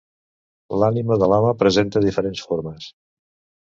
L'ànima de l'home presenta diferents formes.